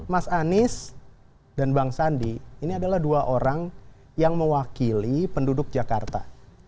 mas anies dan bang sandi ini adalah dua orang yang mewakili penduduk jakarta